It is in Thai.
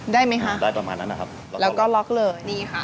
ได้ประมาณนั้นนะครับแล้วก็ล็อกเลย